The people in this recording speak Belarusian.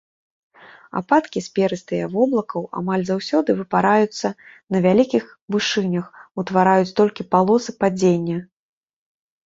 Ападкі з перыстыя воблакаў амаль заўсёды выпараюцца на вялікіх вышынях, утвараюць толькі палосы падзення.